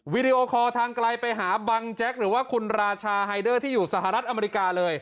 วิดีโอคอร์ทางไกลไปหาบังแจ๊กหรือว่าคุณราชาไฮเดอร์ที่อยู่สหรัฐอเมริกาเลย